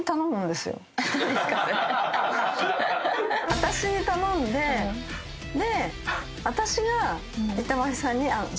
私に頼んでで。